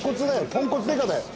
ポンコツ刑事だよ。